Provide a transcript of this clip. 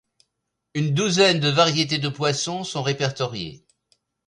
Une douzaine de variétés de poissons sont répertoriées.